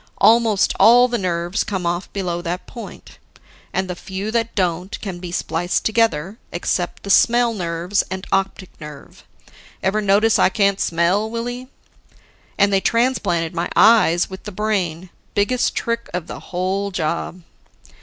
Almost all the nerves come off below that point; and the few that don't can be spliced together, except the smell nerves and optic nerve. Ever notice I can't smell, Willie? And they transplanted my eyes with the brain biggest trick of the whole job."